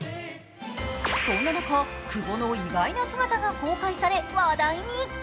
そんな中、久保の意外な姿が公開され話題に。